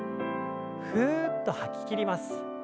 ふうっと吐ききります。